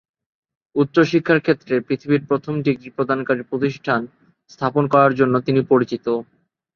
উচ্চশিক্ষার ক্ষেত্রে পৃথিবীর প্রথম ডিগ্রি প্রদানকারী প্রতিষ্ঠান স্থাপন করার জন্য তিনি পরিচিত।